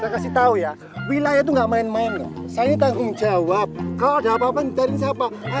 kasih tahu ya wilayah itu nggak main main saya tanggung jawab kalau ada apa apa ngincarin siapa